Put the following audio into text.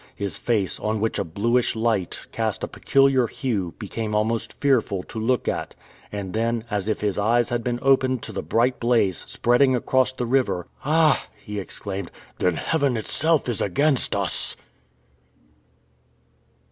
His face, on which a bluish light cast a peculiar hue, became almost fearful to look at, and then, as if his eyes had been opened to the bright blaze spreading across the river, "Ah!" he exclaimed, "then Heaven itself is against us!"